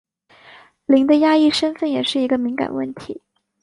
林的亚裔身份也是一个敏感问题。